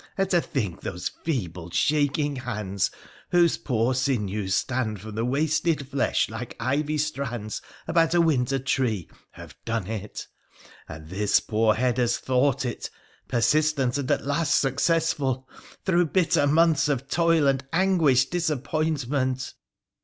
And to think these feeble shaking hands whose poor sinews stand from the wasted flesh like ivy strands about a winter tree, have done it, — and this poor head has thought it, persistent and at last successful, through bitter months of toil and anguished disappointment